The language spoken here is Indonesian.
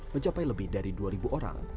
mencapai lebih dari dua orang